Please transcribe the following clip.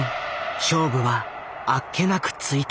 勝負はあっけなくついた。